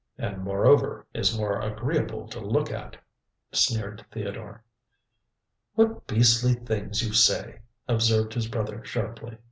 "And, moreover, is more agreeable to look at," sneered Theodore. "What beastly things you say!" observed his brother sharply.